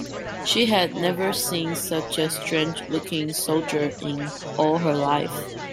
She had never seen such a strange-looking soldier in all her life.